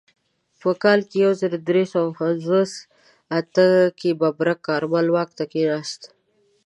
په کال یو زر درې سوه پنځوس اته کې ببرک کارمل واک ته کښېناست.